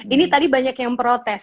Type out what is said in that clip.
ini tadi banyak yang protes